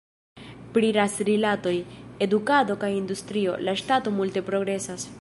Pri ras-rilatoj, edukado kaj industrio, la ŝtato multe progresas.